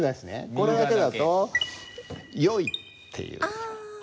これだけだと「善い」っていう意味。